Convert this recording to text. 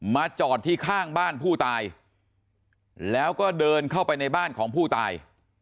จอดที่ข้างบ้านผู้ตายแล้วก็เดินเข้าไปในบ้านของผู้ตาย